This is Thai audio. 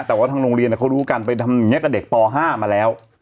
แต่ว่าทางโรงเรียนเขารู้กันไปทำอย่างนี้กับเด็กป๕มาแล้ว